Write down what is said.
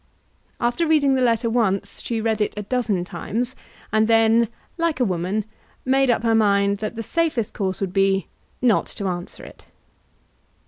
After reading the letter once she read it a dozen times; and then, like a woman, made up her mind that her safest course would be not to answer it.